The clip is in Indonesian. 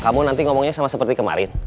kamu nanti ngomongnya sama seperti kemarin